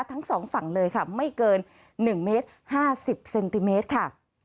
ทั้งสองฝั่งเลยค่ะไม่เกิน๑เมตร๕๐เซนติเมตรค่ะ